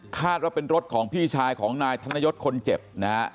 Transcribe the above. คาดว่าเป็นรถของพี่ชายของนายธนยศคนเจ็บนะฮะ